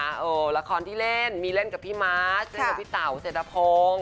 ละครที่เล่นมีเล่นกับพี่มาร์ชเล่นกับพี่เต๋าเศรษฐพงศ์